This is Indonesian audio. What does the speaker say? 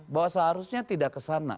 bahwa seharusnya tidak ke sana